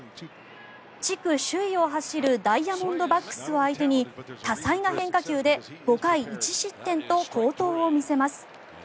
地区首位を走るダイヤモンドバックスを相手に多彩な変化球で５回１失点と好投を見せます。